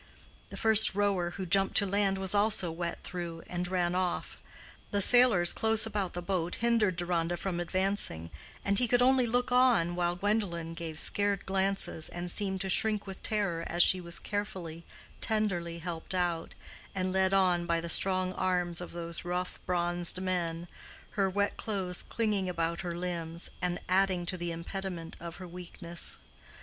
The first rower who jumped to land was also wet through, and ran off; the sailors, close about the boat, hindered Deronda from advancing, and he could only look on while Gwendolen gave scared glances, and seemed to shrink with terror as she was carefully, tenderly helped out, and led on by the strong arms of those rough, bronzed men, her wet clothes clinging about her limbs, and adding to the impediment of her weakness.